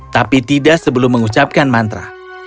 tapi tidak sebelum mengucapkan mantra